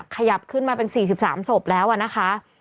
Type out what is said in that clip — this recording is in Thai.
ขยับขึ้นมาเป็น๔๓ศพแล้วนะคะ